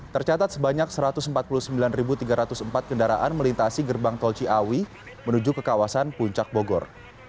tercatat sebanyak satu ratus empat puluh sembilan tiga ratus empat kendaraan melintasi gerbang tol ciawi menuju ke kawasan puncak bogor